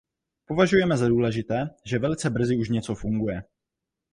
Považujeme za důležité, že velice brzy už něco funguje.